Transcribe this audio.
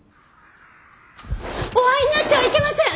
お会いになってはいけません！